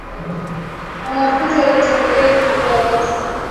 Wanafunzi walitembelea ikulu ya rais